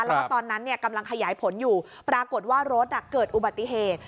แล้วก็ตอนนั้นกำลังขยายผลอยู่ปรากฏว่ารถเกิดอุบัติเหตุ